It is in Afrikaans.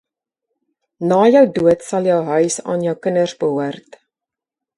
Na jou dood sal jou huis aan jou kinders behoort.